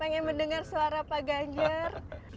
pengen mendengar suara pak ganjar